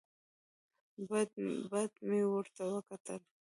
بد بد مې ورته وکتل.